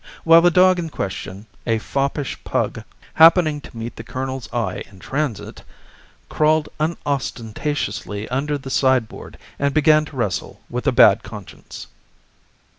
while the dog in question a foppish pug happening to meet the colonel's eye in transit, crawled unostentatiously under the sideboard, and began to wrestle with a bad conscience.